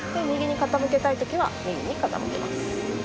右に傾けたいときは右に傾けます。